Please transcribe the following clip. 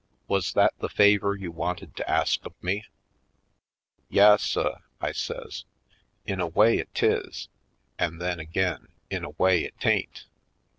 Was that the favor you wanted to ask of me?" "Yas suh," I says, "in a way it 'tis an' then again, in a way, it 'tain't.